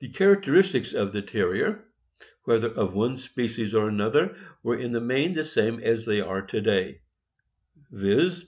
The characteristics of the Terrier, whether of one species or another, were in the main the same as they are to day, viz.